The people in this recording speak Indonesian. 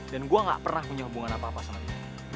dan gue gak pernah punya hubungan apa apa sama dia